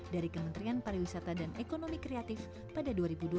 dari kementerian pariwisata dan ekonomi kreatif pada dua ribu dua puluh